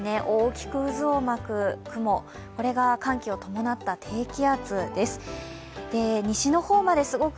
大きく渦を巻く雲、これが寒気を伴った低気圧です。